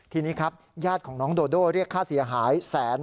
ทีนี้ครับญาติของน้องโดโดเรียกค่าเสียหายแสน